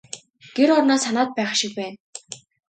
Гэр орноо санаад байх шиг байна.